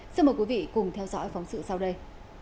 xin mời quý vị cùng theo dõi phóng sự sau đây